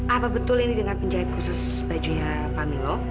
apa betul ini dengan penjahit khusus bajunya pamilo